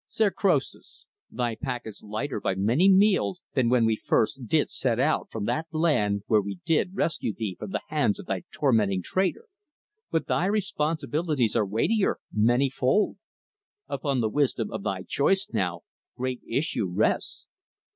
"Sir Croesus, thy pack is lighter by many meals than when first thou didst set out from that land where we did rescue thee from the hands of thy tormenting trader; but thy responsibilities are weightier, many fold. Upon the wisdom of thy choice, now, great issue rests.